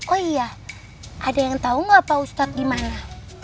oh iya ada yang tau gak pak ustadz dimana